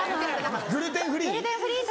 ・グルテンフリー？